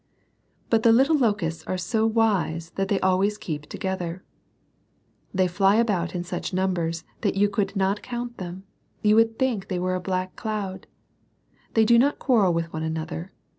But the little locusts are so wise that they always keep together. They fly about in such numbers that you could not count them, you would think they were a black cloud. They do not quarrel with one another.